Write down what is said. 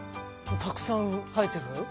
たくさん生えてるわよ。